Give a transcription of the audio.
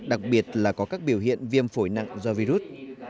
đặc biệt là có các biểu hiện viêm phổi nặng do virus